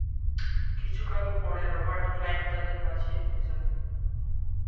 কিছুকাল পরে Robert Clive তাদের বাঁচিয়ে নিয়ে যান।